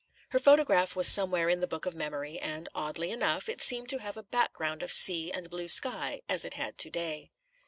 Her photograph was somewhere in the book of memory, and, oddly enough, it seemed to have a background of sea and blue sky, as it had to day.